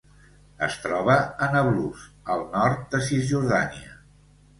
Es troba a Nablus, al nord de Cisjordània.